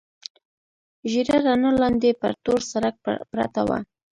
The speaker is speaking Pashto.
ژېړه رڼا، لاندې پر تور سړک پرته وه.